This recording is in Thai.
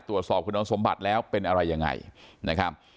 ตรวจสอบคุณสมบัติแล้วเป็นอะไรยังไงนะครับ